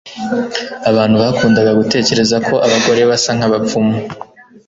Abantu bakundaga gutekereza ko abagore basa nkabapfumu